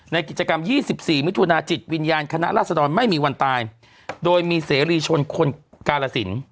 ในกิจกรรม๒๔มิถุนาจิตวิญญาณคณะราษฎรไม่มีวันตายโดยมีเสรีชนคนกาลสิน